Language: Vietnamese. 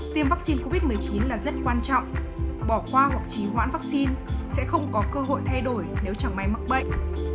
tiêm vaccine covid một mươi chín là rất quan trọng bỏ khoa hoặc trí hoãn vaccine sẽ không có cơ hội thay đổi nếu chẳng may mắc bệnh